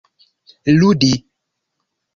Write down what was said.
ludi